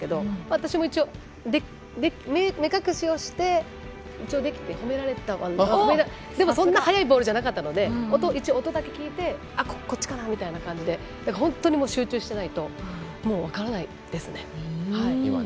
私も一応、目隠しをして一応できて褒められたんですがそんなに速いボールではなかったので一応、音だけ聞いてこっちかなみたいな感じで本当に集中していないと分からないですね。